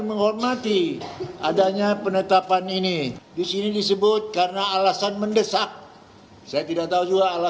sebetulnya putusan ini tidak dikirimkan oleh pak jokowi